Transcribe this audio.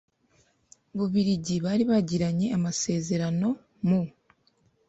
Bubirigi bari bagiranye amasezerano mu